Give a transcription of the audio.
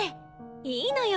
いいのよ。